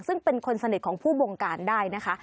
ซึ่งเป็นคนสนิทของผู้บงการได้นะคะ